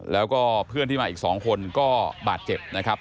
แล้วก็เพื่อนที่มาอีก๒คนก็บาดเจ็บนะครับ